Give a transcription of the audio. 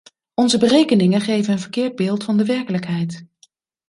Onze berekeningen geven een verkeerd beeld van de werkelijkheid.